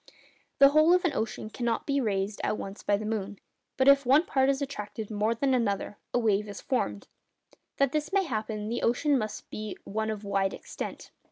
The whole of an ocean cannot be raised at once by the moon; but if one part is attracted more than another, a wave is formed. That this may happen, the ocean must be one of wide extent.